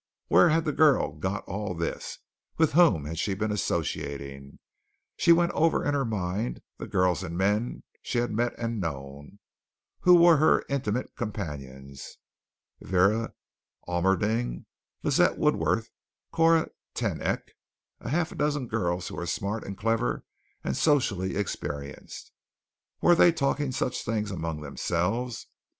Where had the girl got all this? With whom had she been associating? She went over in her mind the girls and men she had met and known. Who were her intimate companions? Vera Almerding; Lizette Woodworth; Cora TenEyck a half dozen girls who were smart and clever and socially experienced. Were they talking such things among themselves?